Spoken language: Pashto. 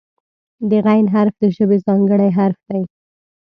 د "غ" حرف د ژبې ځانګړی حرف دی.